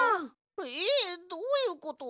えっどういうこと？